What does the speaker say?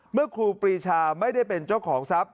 ครูปรีชาไม่ได้เป็นเจ้าของทรัพย